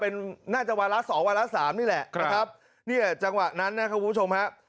เป็นน่าจะวันละ๒วันละ๓นี่แหละนะครับเนี่ยจังหวะนั้นนะครับคุณผู้ชมครับ